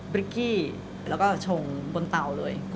ริกกี้แล้วก็ชงบนเตาเลย